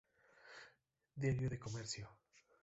Diario el Comercio.